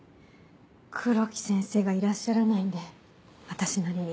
黒木先生がいらっしゃらないんで私なりに。